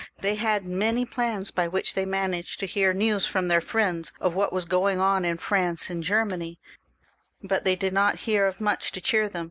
They had many plans by which they managed to hear news fix)m their friends of what was going on in France and Germany, but they did not hear of much to cheer them.